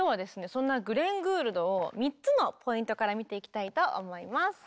そんなグレン・グールドを３つのポイントから見ていきたいと思います。